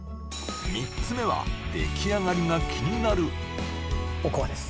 ３つ目は出来上がりが気になるおこわです